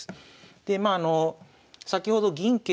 でまああの先ほど銀桂香と。